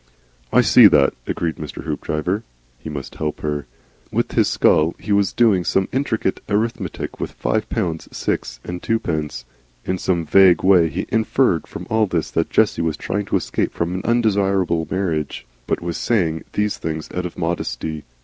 "I see that," agreed Mr. Hoopdriver. He MUST help her. Within his skull he was doing some intricate arithmetic with five pounds six and twopence. In some vague way he inferred from all this that Jessie was trying to escape from an undesirable marriage, but was saying these things out of modesty.